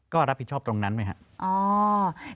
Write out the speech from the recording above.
ก็รับผิดชอบตรงนั้นไหมครับ